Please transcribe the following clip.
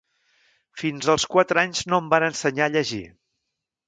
Fins als quatre anys no em van ensenyar a llegir.